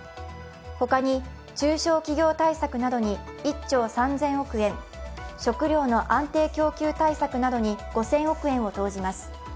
他に中小企業対策などに１兆３０００億円、食料の安定供給対策などに５０００億円を投じます。